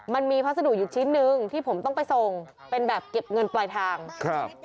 มันมีพัสดุอยู่ชิ้นหนึ่งที่ผมต้องไปส่งเป็นแบบเก็บเงินปลายทางครับ